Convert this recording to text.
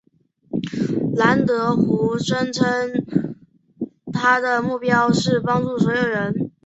兰德福声称他的目标是帮助所有人。